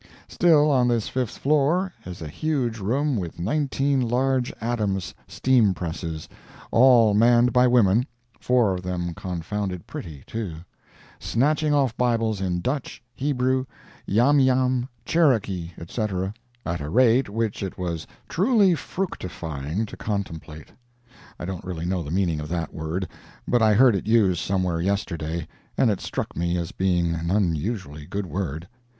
Still on this fifth floor is a huge room with nineteen large Adams' steam presses, all manned by women (four of them confounded pretty, too), snatching off Bibles in Dutch, Hebrew, Yamyam, Cherokee, etc., at a rate which it was truly fructifying to contemplate. (I don't really know the meaning of that word, but I heard it used somewhere yesterday, and it struck me as being an unusually good word.